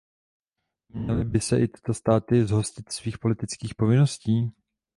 Neměly by se i tyto státy zhostit svých politických povinností?